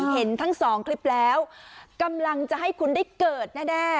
เห็นทั้งสองคลิปแล้วกำลังจะให้คุณได้เกิดแน่